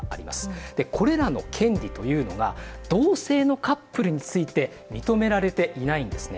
これらの権利というのが同性のカップルについて認められていないんですね。